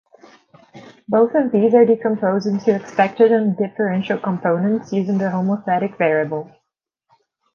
Both of these are decomposed into expected and differential components using the homothetic variable.